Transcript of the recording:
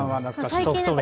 ソフト麺。